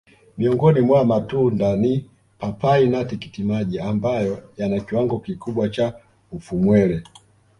Miongoni mwa matunda ni papai na tikitimaji ambayo yana kiwango kikubwa cha ufumwele